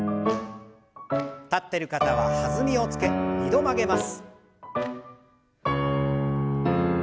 立ってる方は弾みをつけ２度曲げます。